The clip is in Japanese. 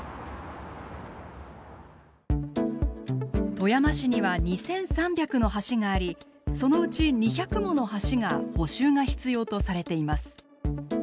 富山市には２，３００の橋がありそのうち２００もの橋が補修が必要とされています。